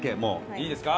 いいですか？